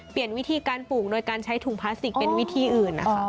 วิธีการปลูกโดยการใช้ถุงพลาสติกเป็นวิธีอื่นนะคะ